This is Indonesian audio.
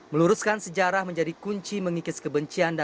meluruskan sejarah menjadi kunci mengikis kebencian